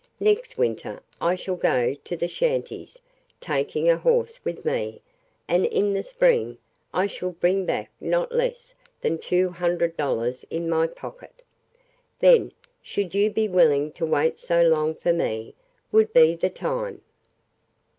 Next winter I shall go to the shanties, taking a horse with me, and in the spring I shall bring back not less than two hundred dollars in my pocket. Then, should you be willing to wait so long for me, would be the time